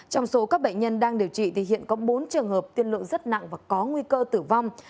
trong số các bệnh nhân đang điều trị thì hiện có bốn trường hợp tiên lượng rất nặng và có nguy cơ tử vong